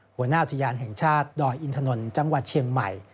หัวหน้าอุทยานแห่งชาติดอยอินทนนท์จังหวัดเชียงใหม่